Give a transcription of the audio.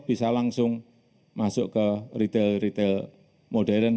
bisa langsung masuk ke retail retail modern